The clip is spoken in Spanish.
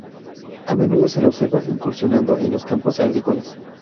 A menudo se lo observa incursionando en los campos agrícolas.